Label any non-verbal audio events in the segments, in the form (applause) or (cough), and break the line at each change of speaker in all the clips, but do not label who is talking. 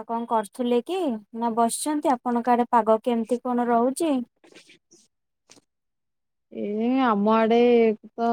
ଆଉ କଣ କରୁଥିଲେ କି? ନା ବସିଛନ୍ତି, ଆପଣଙ୍କ ଆଡେ ପାଗ କେମିତି କ'ଣ ରହୁଛି?
(inaudible) ଏ ଆମ ଆଡେ ତ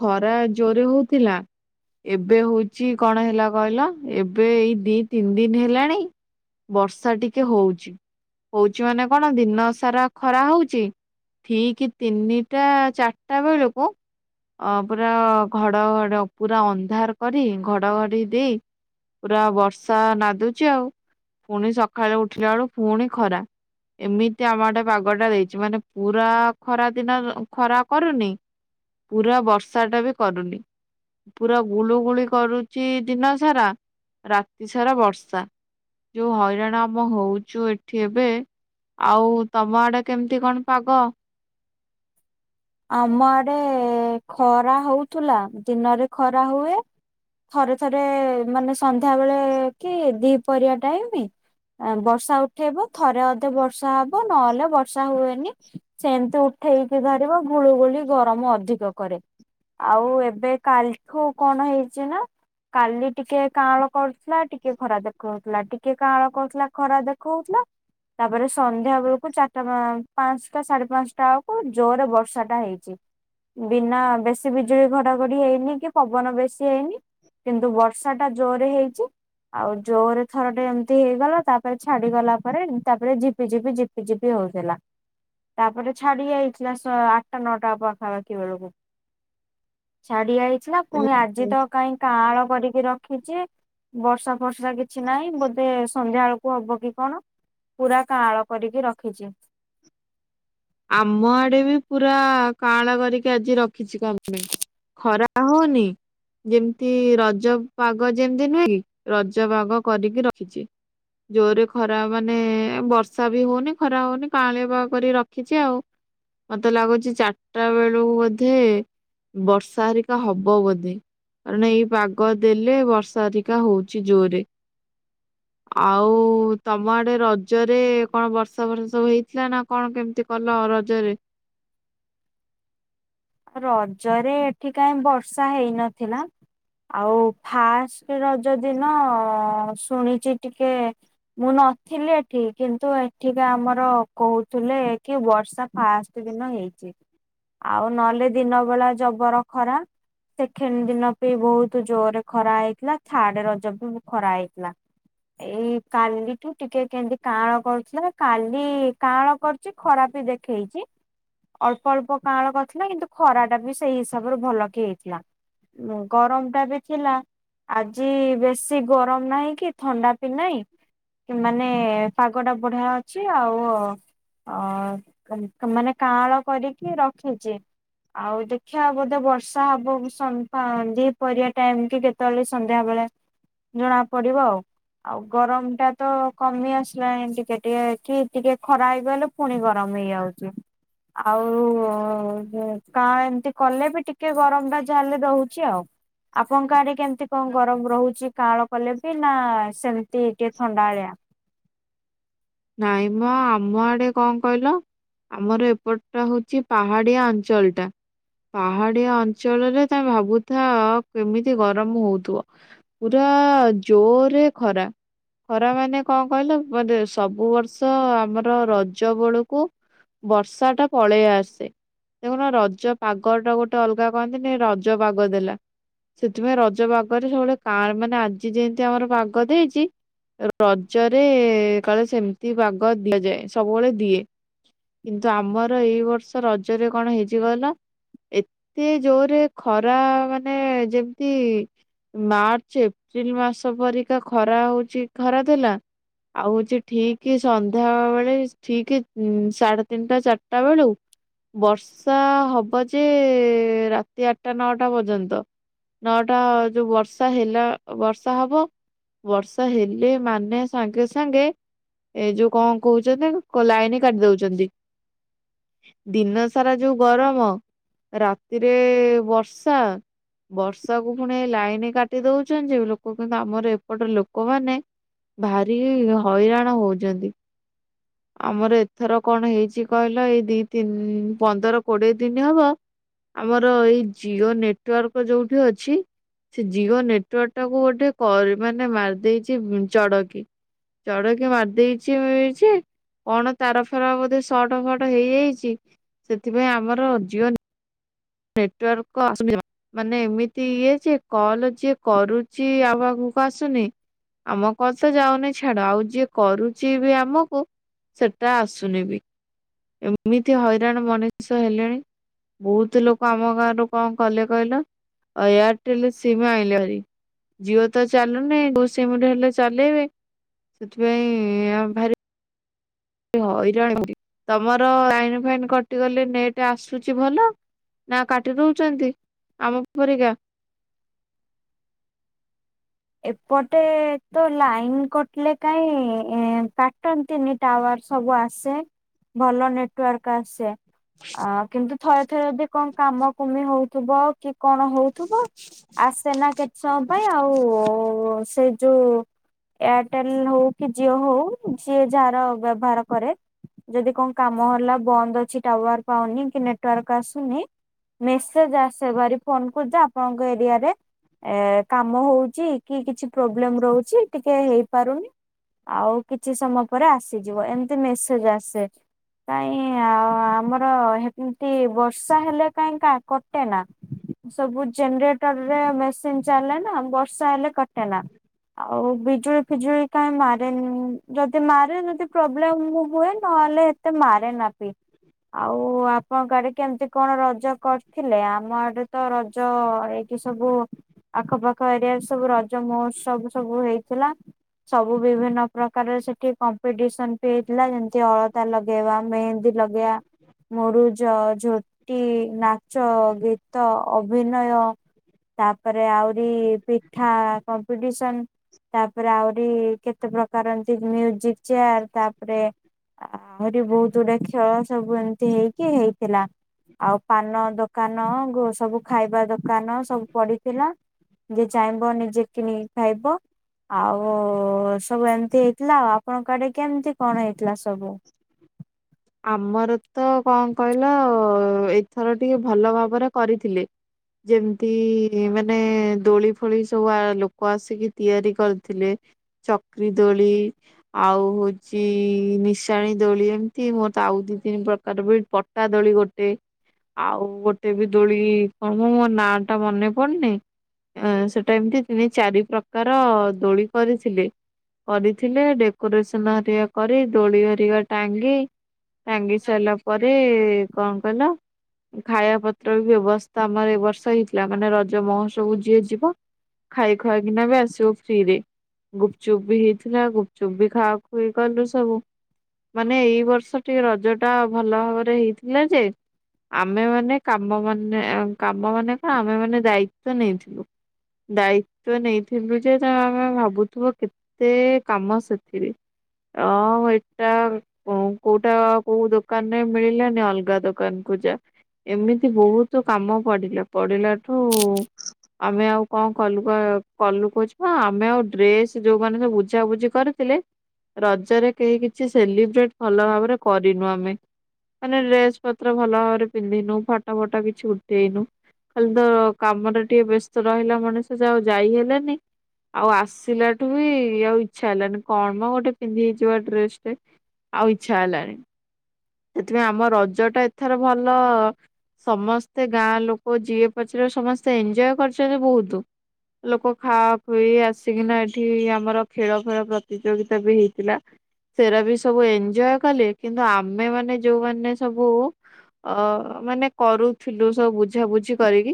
ଖରା ଜୋରେ ହଉଥିଲା। ଏବେ ହଉଛି କ'ଣ ହେଲା କହିଲ? ଏବେ ଏଇ ଦି ତିନି ଦିନ ହେଲାଣି। ବର୍ଷା ଟିକେ ହଉଛି। ହଉଛି ମାନେ କଣ ଦିନ ସାରା ଖରା ହଉଛି, ଠିକ ତିନିଟା ଚାରଟା ବେଳକୁ ଅ ପୁରା ଘଡଘଡ ପୁରା ଅନ୍ଧାର କରି ଘଡଘଡି ଦେଇ ପୁରା ବର୍ଷା ନାଦୁଛି ଆଉ, ପୁଣି ସକାଳେ ଉଠିଲା ବେଳୁ ପୁଣି ଖରା। ଏମିତି ଆମ ଆଡେ ପାଗ ଟା ଦେଇଛି, ମାନେ ପୁରା ଖରା ଦିନ ଖରା କରୁନି, ପୁରା ବର୍ଷା ଟା ବି କରୁନି। ପୁରା ଗୁଳୁଗୁଳି କରୁଛି ଦିନ ସାରା, ରାତି ସାରା ବର୍ଷା। ଯୋଉ ହଇରାଣ ଆମ ହଉଛୁ ଏଠି ଏବେ ଆଉ ତମ ଆଡେ କେମିତି କ'ଣ ପାଗ?
ଆମ ଆଡେ ଖରା ହଉଥିଲା ଦିନରେ ଖରା ହୁଏ। ଥରେ ଥରେ ମାନେ ସନ୍ଧ୍ୟା ବେଳେ କି ଦି ପରିୟା ଟାଇମି, ବର୍ଷା ଉଠେଇବ, ଥରେ ଅଧେ ବର୍ଷା ହବ ନହେଲେ ବର୍ଷା ହୁଏନି, ସେମତି ଉ ଠେଇକି କରିବ, ଗୁଳୁଗୁଳି ଗରମ ଅଧିକ କରେ। ଆଉ ଏବେ କାଲିଠୁ କଣ ହେଇଛି ନା କାଲି ଟିକେ କାଁଳ କରୁଥିଲା ଟିକେ ଖରା ଦେଖଉଥିଲା, ଟିକେ କାଁଳ କରୁଥିଲା ଖରା ଦେଖଉଥିଲା। ତାପରେ ସନ୍ଧ୍ୟା ବେଳକୁ ଚାରିଟା ପାଞ୍ଚଟା ସାଢେ ପାଞ୍ଚଟା ବେଳକୁ ଜୋରରେ ବର୍ଷା ଟା ହେଇଛି। ବିନା ବେଶୀ ବିଜୁଳି ଘଡଘଡି ହେଇନି କି ପବନ ବେଶୀ ହେଇନି। କିନ୍ତୁ ବର୍ଷା ଟା ଜୋରରେ ହେଇଛି। ଆଉ ଜୋରରେ ଥରେ ଏମିତି ହେଇଗଲା, ତାପରେ ଛାଡିଗଲା ପରେ ତାପରେ ଝିପିଝିପି ଝିପି ଝିପି ହେ ହଉଥିଲା, ତାପରେ ଛାଡି ଯାଇ ଥିଲା ଶ ଆଠଟା ନଅଟା ହବ ପାଖାପାଖି ବେଳକୁ ଛାଡି ଯାଇ ଥିଲା ପୁଣି ଆଜି
ଓହୋ।
ତ କାହିଁ କାଁଳ କରିକି ରଖ ରଖିଛି ବର୍ଷା ଫର୍ଷା କିଛି ନାହିଁ ବୋଧେ ସନ୍ଧ୍ୟା ବେଳକୁ ହବ କି କଣ? ପୁରା କାଁଳ କରିକି ରଖିଛି।
ଆମ ଆଡେ ବି ପୁରା କାଳ କରିକି ଆଜି ରଖିଛି କ'ଣ ପାଇଁ? ଖରା ହଉନି। ଯେମିତି ରଜ ପାଗ ଯେମତି ନୁହେଁ କି? ରଜ ପଗ କରିକି ରଖିଛି। ଜୋରରେ ଖରା ମାନେ ବର୍ଷା ବି ହଉନି ଖରା ହଉନି କାଳିବ କରି ର ଖିଛି ଆଉ ମତେ ଲାଗୁଛି ଚାରିଟା ବେଳକୁ ବୋଧେ, ବର୍ଷା ହେରିକା ହବ ବୋଧେ। କାରଣ ଏଇ ପାଗ ଦେଲେ ବର୍ଷା ଅଧିକା ହଉଛି ଜୋରରେ। ଆଉ ତମ ଆଡେ ରଜରେ କଣ ବର୍ଷା ବର୍ଷା ସବୁ ହଇଥିଲା ନା କ'ଣ କେମିତି କଲ ରଜରେ?
ରଜରେ ଏଠି କାଇଁ ବର୍ଷା ହେଇନଥିଲା। ଆଉ ଫାଷ୍ଟ ରଜ ଦିନ ଶୁଣିଛି ଟିକେ ମୁଁ ନଥିଲି ଏଠି, କିନ୍ତୁ ଏଠିକା ଆମର କହୁଥିଲେ କି ବର୍ଷା ଫାଷ୍ଟ ଦିନ ହେଇଛି, ଆଉ ନହେଲେ ଦିନ ବେଳା ଜବର ଖରା। ସେକେଣ୍ଡ ଦିନ ବି ବହୁତ ଜୋରରେ ଖରା ହେଇଥିଲା, ଥାର୍ଡ଼ ରଜ ବି ଖରା ହେଇଥିଲା। ଏଇ କାଲିଠୁ ଟିକେ କେମିତି କାଁଳ କରିଥିଲା, କାଲି କାଁଳ କରୁଛି ଖରା ବି ଦେଖେଇଛି, ଅଳ୍ପ ଅଳ୍ପ କାଳ କ ଥିଲା କିନ୍ତୁ ଖରା ଟା ବି ସେଇ ହିସାବରେ ଭଲକେ ହେଇଥିଲା ଗରମ ଟା ବି ଥିଲା। ଆଜି ବେଶୀ ଗରମ ନାହିଁ କି ଥଣ୍ଡା ବିି ନାହିଁ। କି ମାନେ ପାଗ ଟା ବଢ଼ିଆ ଅଛି ଆଉ ଅ ଅ ମାନେ କାଆଁଳ କରିକି ରଖିଚି। ଆଉ ଦେଖିବା ବୋଧେ ବର୍ଷା ହବ ସନ ପା ଦି ପହରିଆ ଟାଇମ କି କେତେବେଳେ ସନ୍ ସନ୍ଧ୍ୟା ବେଳେ ଜଣା ପଡିବ ଆଉ। ଆଉ ଗରମ ଟା ତ କମି ଆସିଲାଣି। ଟିକେ ଟିକେ କି ଟିକେ ଖରା ହେଇଗଲେ ପୁଣି ଗରମ। ନେଇ ଆଉଚି ଆଉ କା ଏମତି କଲେ ବି ଟିକେ ଗରମ ଗା ଯା ହେଲେ ଦଉଚି ଆଉ। ଆପଣଙ୍କ ଆଡେ କେମିତି କଣ ଗରମ ରହୁଚି। କାଆଁଳ କଲେ ବି ନା ସେମିତି ଟିକେ ଥଣ୍ଡାଳିଆ।
ନାଇଁ ମ ଆମ ଆଡେ କଣ କହିଲ ଆମର ଏପଟ ଟା ହଉଚି ପାହାଡିଆ ଅଞ୍ଚଳ ଟା। ପାହାଡିଆ ଅଞ୍ଚଳରେ ତା ଭାବୁଥା କେମିତି ଗରମ ହଉଥିବ। ପୁରା ରା ଜୋରେ ଖରା ଖରା ମାନେ କଣ କହିଲ ମତେ ସବୁ ବର୍ଷ ଆମର ରଜ ବେଳକୁ ବର୍ଷା ଟା ପଳେଇ ଆସେ। ଦେଖୁନ ରଜ ପାଗ ଟା ଗୋଟେ ଅଲଗା କହନ୍ତିନି ରଜ ପାଗ ଦେଲା। ସେଥିପାଇଁ ରଜ ବାଗରେ ସବୁବେଳେ କାଆଁ ମାନେ ଆଜି ଯେମିତି ଆମର ବାଘ ଦେଇଚି। ରଜରେ କାଳେ ସେମିତି ପାଗ ଦିଆଯାଏ ସବୁବେଳେ ଦିଏ। କିନ୍ତୁ ଆମର ଏଇ ବର୍ଷ ରଜରେ କଣ ହେଇଛି କହିଲ। ଏତେ ଜୋରେ ଖରା ମାନେ ଯେମତି ମାର୍ଚ୍ଚ ଏପ୍ରିଲ ମାସ ପରିକା ଖରା ହଉଚୀ ଖରା ଥିଲା। ଆଉ ହଉଚି ଠିକ ସନ୍ଧ୍ୟା ବେଳେ ଠିକ ସାଢେ ତିନିଟା ଚାରିଟା ବେଳୁ ବର୍ଷା ହବ ଯେ ରାତି ଆଠଟା ନଅଟା ପର୍ଯ୍ୟନ୍ତ। ନଅଟା ଯୋଉ ବର୍ଷା ହେଲା ବର୍ଷା ହବ। ବର୍ଷା ହେଲେ ମାନେ ସାଙ୍ଗେ ସାଙ୍ଗେ। ଏଇ ଯୋଉ କଣ କହୁଚନ୍ତି ଲାଇନ କାଟି ଦଉଚନ୍ତି। ଦିନ ସାରା ଯୋଉ ଗରମ ରାତିରେ ବର୍ଷା। ବର୍ଷାକୁୁ ପୁଣି ଲାଇନ କାଟି ଦଉଚନ୍ତି। ଯେ ଲୋକ କିନ୍ତୁ ଆମର ଏପଟ ଲୋକମାନେ ଭାରି ହଇରାଣ ହଉଚନ୍ତି। ଆମର ଏଥର କଣ ହେଇଚି କହିଲ। ଏଇ ଦି ତିନି ପନ୍ଦର କୋଡିଏ ଦିନ ହବ। ଆମର ଏଇ ଜିଓ ନେଟୱାର୍କ ଯୋଉଠି ଅଛି। ସେ ଜିଓ ନେଟୱାର୍କ ଟାକୁ ଗୋଟେ କରେ ମାନେ ମାରି ଦେଇଚି ଚଡକି। ଚଡକି ମାରି ଦେଇଚି ଯେ କଣ ତାର ଫେର ବୋଧେ ସଟ ଫଟ ହେଇଯାଇଚି। ସେଥିପାଇଁ ଆମର ଜିଓନ ନେଟୱାର୍କ ଆସୁନି ଯମା ମାନେ ଏମିତି ଇଏ ଯେ କଲ୍ ଯିଏ କରୁଚି। ଆଉ କାହାକୁ କୁ ଆସୁନି ଆମ କଥା ଯାଉନି ଛାଡ। ଆଉ ଯିଏ କରୁଚି ବି ଆମକୁ ସେଟା ଆସୁନି ବି। ଏମିତି ହଇରାଣ ମଣିଷ ହେଲେଣି। ବହୁତ ଲୋ ଆମ ଗାଁରୁ କଣ କଲେ କହିଲ ଏୟାରଟେଲ ସିମ ଆଣିଲେ ହାରି। ଜିଓ ତ ଚାଲୁନି କଉ ସିମ ରୁ ହେଲେ ଚଳେଇବେ। ସେଥିପାଇଁ ଆ ଭାରି ହଇରାଣ ତମର ଲାଇନ ଫାଇନ କଟିଗଲେ ନେଟ ଆସୁଛି ଭଲ? ନା କାଟି ରହୁଛନ୍ତି ଆମ ପରିକା। (inaudible)
ଏପଟେ ତ ଲାଇନ କଟିଲେ କାଇଁ କାଟନ୍ତିନି ଟାୱାର। ସବୁ ଆସେ ଭଲ ନେଟୱାର୍କ ଆସେ। ଅ କିନ୍ତୁ ଥରେ ଥରେ ଯଦି କଣ କାମ କୁମି ହଉଥୁବ କି କଣ ହଉଥୁବ। ଆସେ ନା କେତେ ସମୟ ପାଇଁ ଆଉ ସେ ଯୋଉ ଏୟାରଟେଲ ହଉ କି ଜିଓ ହଉ ଯିଏ ଯାହାର ବ୍ୟବହାର କରେ। ଯଦି କଣ କାମ ହେଲା ବନ୍ଦ ଅଛି। ଟାୱାର ପାଉନି କି ନେଟୱାର୍କ ଆସୁନି। ମେସେଜ ଆସେ ଭାରି ଫୋନ କରୁଚ। ଆପଣଙ୍କ ଏରିଆ ରେ ଏ କାମ ହଉଚି। କି କିଛି ପ୍ରୋବ୍ଲେମ ରହୁଚି ଟିକେ ହେଇପାରୁନି। ଆଉ କିଛି ସମୟ ପରେ ଆସିଯିବ ଏମିତି ମେସେଜ ଆସେ। କାଇଁ ଆ ଆମର ହେମତି ବର୍ଷା ହେଲେ କାଇଁ କ କଟେ ନା। ସବୁ ଜେନେରେଟରରେ ମେସିନ ଚାଲେ ନା ବର୍ଷା ହେଲେ କଟେ ନା। ଆଉ ବିଜୁଳି ଫିଜୁଳି କାଇଁ ମାରେନି ଯଦି ମାରେ ଯଦି ପ୍ରୋବ୍ଲେମ ହୁଏ ନ ନହେଲେ ଏତେ ମାରେ ନା ପି। ଆଉ ଆପଣଙ୍କ ଆଡେ କେମିତି କଣ ରଜ କରିଥିଲେ। ଆମ ଆଡେ ତ ରଜ ଏଇ ସବୁ ଆଖପାଖ ଏରିଆରେ ସବୁ ରଜ ମହୋତ୍ସବ ସବୁ ହେଇଥିଲା। ସବୁ ବିଭିନ୍ନ ପ୍ରକାର ସେଠି କମ୍ପିଟିସନ ବି ହେଇଥିଲା ଯେମତି ଅଳତା ଲଗେଇବା ମେହେନ୍ଦୀ ଲଗେଇଆ ମରୁଜ, ଝୋଟି, ନାଚ, ଗୀତ, ଅଭିନୟ ତାପରେ ଆହୁରି ପିଠା କମ୍ପିଟିସନ ତାପରେ ଆହୁରି କେତେ ପ୍ରକାର ଏମିତି ମିୟୁଜିକ ଚେୟାର ତାପରେ ଆହୁରି ବହୁତ ଗୁଡେ ଖେଳ ସବୁ ଏମିତି ହେଇକି ହେଇଥିଲା। ଆଉ ପାନ ଦୋକାନ ସବୁ ଗୋ ଖାଇବା ଦୋ ଦୋକାନ ସବୁ ପଡିଥିଲା। ଯିଏ ଚାହିଁବ ନିଜେ କିନିକି ଖାଇବ। ଆଉ ସବୁ ଏମିତି ହେଇଥିଲା ଆଉ ଆପଣଙ୍କ ଆଡେ କେମିତି କଣ ହେଇ ଥିଲା ସବୁ
ଆମର ତ କଣ କହିଲ ଏଇଥର ଟିକେ ଭଲ ଭାବରେ କରିଥିଲେ। ଯେମତି ମାନେ ଦୋଳି ଫୋଳି ସବୁ ଆ ଲୋକ ଆସିକି ତିଆରି କରିଥିଲେ। ଚକ୍ରି ଦୋଳି ଆଉ ହୋଉଚି ନି ଟାଣି ଦୋଳି ଏମିତି ମୋର ତ ଆଉ ଦି ତିନି ପ୍ରକାର ପଟା ଦୋଳି ଗୋଟେ ଆଉ ଗୋଟେ ବି ଦୋଳି କଣ ମ ମୋ ନା ଟା ମନେ ପଡୁନି। ଅ ସେଟା ଏମତି ତିନି ଚାରି ପ୍ରକାର ଦୋଳି କରିଥିଲେ। କରିଥିଲେ ଡେକୋରେସନ ହେରିିକା କରି ଦୋଳି ହେରିିକା ଟାଙ୍ଗି ଟାଙ୍ଗି ସାରିଲା ପରେ କଣ କହିଲ ଖାଇବା ପତ୍ର ବି ବ୍ୟବସ୍ଥା ଆମର ଏ ବର୍ଷ ହେଇଥିଲା। ମାନେ ରଜ ମହଉତ୍ସବକୁ ଯିଏ ଯିବ ଖାଇ ଖୁଆକିନା ବି ଆସିବ ଫ୍ରିରେ ଗୁପଚୁପ୍ ବି ହେଇଥିଲା। ଗୁପଚୁପ୍ ବି ଖାଆ ଖୁଇ କଲୁ ସବୁ ମାନେ ଏଇ ବର୍ଷ ଟିକେ ରଜ ଟା ଭଲ ଭାବରେ ହେଇଥିଲା ଯେ ଆମେ ମାନେ କାମ ମାନେ କାମ ମାନେ କ ଆମେ ମାନେ ଦାୟିତ୍ଵ ନେଇଥିଲୁ। ଦାୟିତ୍ଵ ନେଇଥିଲୁ ଯେ ଆମେ ଭାବୁଥିବ କେତେ କାମ ସେଥିରେ ଅ ଏଇଟା ହଁ କୋଉଟା କୋଉ ଦୋକାନ ରେ ମିଳିଲାନି ଅଲଗା ଦୋକାନ ଯା ଏମିତି ବହୁତ କାମ ପଡିଲା। ପଡିଲାଠୁ ଆମେ ଆଉ କଣ କଲୁ ପା କଲୁ କହୁଚି ଆମେ ଆଉ ଡ୍ରେସ ଯୋଉମାନୋନେ ସ ବୁଝାବୁଝି କରିଥିଲେ ରଜରେ କେହି କିଛି ସେଲିବ୍ରେଟ ଭଲ ଭାବରେ କରିନୁ ଆମେ ମାନେ ଡ୍ରେସ ପତ୍ର ଭଲ ଭାବରେ ପିନ୍ଧିନୁ ଫଟ ଫଟ କିଛି ଉଠେଇନୁ। ଖାଲି ତ କାମରେ ଟିକେ ବ୍ୟସ୍ତ ରହିଲା ମଣିଷ ଯ ଆଉ ଯାଇ ହେଲେନି। ଆଉ ଆସିଲାଠୁ ବି ଆଉ ଇଚ୍ଛା ହେଲାନି କଣ ଗୋଟେ ପିନ୍ଧି ହେଇଯିବା ଡ୍ରେସ ଆଉ ଇଚ୍ଛା ହେଲାନି। ସେଥିପାଇଁ ଆମ ରଜ ଟା ଏଥର ଭଲ ସମସ୍ତେ ଗାଁ ଲୋକ ଯିଏ ପଚାରିଲେ ସମସ୍ତେ ଏଞ୍ଜଏ କରିଚନ୍ତି ବହୁତ। ଲୋକ ଖାଆ ଖୁଇ ଆସିକିନା ଏଠି ଆମର ଖେଳ ଖେଳ ପ୍ରତିଯୋଗିତା ବି ହେଇଥିଲା। ସେରା ବି ସବୁ ଏଞଏ କଲେ କିନ୍ତୁ ଆ ମେ ମାନେ ଯୋଉମାନୋନ ସବୁ ଅ ମାନେ କରୁଥିଲୁ ସବୁ ବୁଝାବୁଝି କରିକି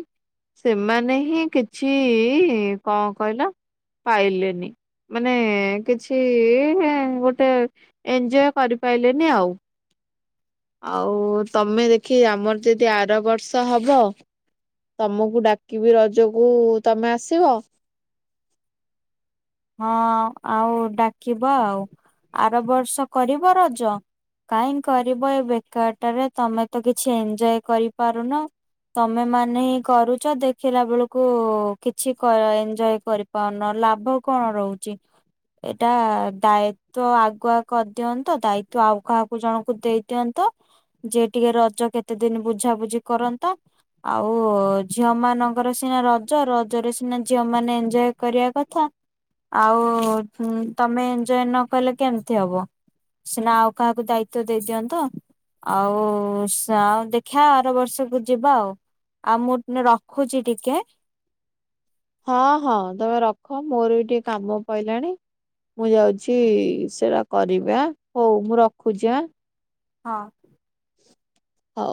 ସେମାନେ ହିଁ କିଛି କଣ କହିଲ ପାଇଲେନି ମାନେ କିଛି ଗୋଟେ ଏଞଏ କରିପାରିଲେନି ଆଉ। (inaudible) ଆଉ ତମେ ଦେଖି ଆମର ଯଦି ଆର ବର୍ଷ ହବ। ତମକୁ ଡାକିବି ରଜକୁ ତମେ ଆସିବ?
ହଁ ଆଉ ଡାକିବ ଆଉ ଆର ବର୍ଷ କରିବ ରଜ କାହିଁ କରିବ ଏ ବେକାରଟାରେ ତମେ ତ କିଛି ଏଞ୍ଜଏ କରିପାରୁନ। ତମେ ମାନେ ହିଁ କରୁଚ ଦେଖିଲା ବେଳକୁ କିଛି ଏଞ୍ଜୟ କରିପାରୁନ ଲାଭ କଣ ରହୁଚି? ଏଇଟା ଦାୟିତ୍ୱ ଆଗୁଆ କରିଦିଅନ୍ତ ଦାୟିତ୍ୱ ଆଉ କାହାକୁ ଜଣଙ୍କୁ ଦେଇ ଦିଅନ୍ତ ଯିଏ ଟିକେ ରଜ କେତେ ଦିନ ବୁଝାବୁଝି କରନ୍ତା। ଆଉ ଝିଅ ମାନଙ୍କର ସିନା ରଜ ରଜରେ ସିନା ଝିଅ ମାନେ ଏଞ୍ଜୟ କରିବା କଥା। ଆଉ ତମେ ଏଞୟ ନ କଲେ କେମିତି ହବ? ସିନା ଆଉ କାହାକୁ ଦାୟିତ୍ୱ ଦେଇଦିଅନ୍ତ ଆଉ ସ ଦେଖିବା ଆର ବର୍ଷକୁ ଯିବା ଆଉ ଆଉ ମୁଁ ରଖୁଚି ଟିକେ।
ହଁ ହଁ ତମେ ରଖ ମୋର ବି ଟିକେ କାମ ପଇଲାଣି ମୁଁ ଯାଉଛି ସେଟା କରିବି ଆଁ ହଉ ମୁଁ ରଖୁଚି ଆଁ।
ହଁ।
ହଉ।